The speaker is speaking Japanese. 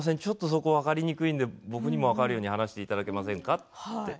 ここ分かりにくいので僕にも分かるように話をしていただけませんか？と。